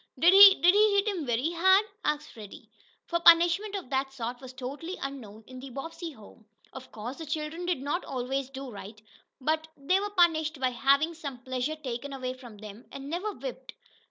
"Did he did he hit him very hard?" asked Freddie, for punishment of that sort was totally unknown in the Bobbsey home. Of course the children did not always do right, but they were punished by having some pleasure taken away from them, and never whipped.